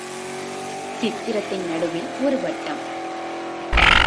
சித்திரத்தின் நடுவில் ஒரு வட்டம்!